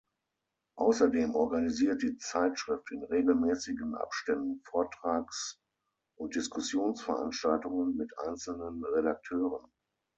Außerdem organisiert die Zeitschrift in regelmäßigen Abständen Vortrags- und Diskussionsveranstaltungen mit einzelnen Redakteuren.